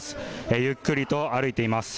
ゆっくりと歩いています。